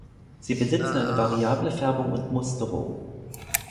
Sie besitzen eine variable Färbung und Musterung.